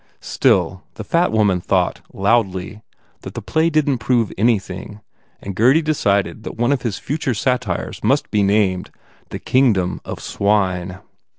Still the fat woman thought, loudly, that the play didn t prove anything and Gurdy decided that one of his future satires must be named, The Kingdom of Swine.